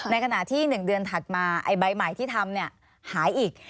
ในขณะที่๑เดือนถัดมาไอ้ใบใหม่ที่ทำหายอีก